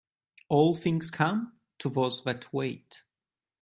All things come to those that wait.